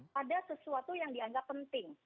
pada sesuatu yang dianggap penting